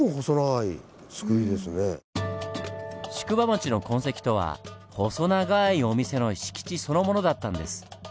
宿場町の痕跡とは細長いお店の敷地そのものだったんです。